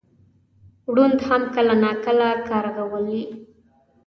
ړوند هم کله ناکله کارغه ولي .